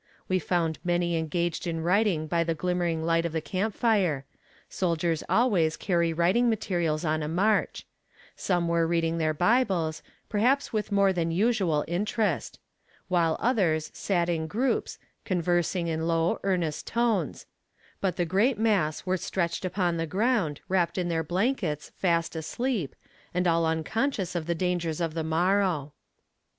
We found many engaged in writing by the glimmering light of the camp fire soldiers always carry writing materials on a march; some were reading their bibles, perhaps with more than usual interest; while others sat in groups, conversing in low earnest tones; but the great mass were stretched upon the ground, wrapped in their blankets, fast asleep, and all unconscious of the dangers of the morrow.